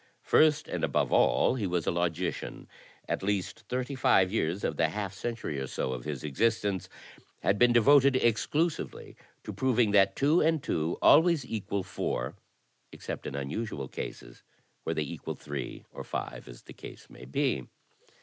First and above all he was a logician. At least thirty five years of the half century or so of his existence had been devoted exclusively to proving that two and two always equal four, except in unusual cases, where they equal three or five, as the case may be.